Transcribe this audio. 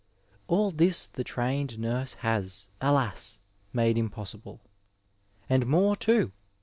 All this the trained nurse has, alas ! made impossible. And more, too.